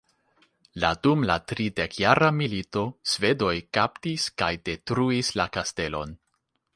La dum la tridekjara milito, Svedoj kaptis kaj detruis la kastelon.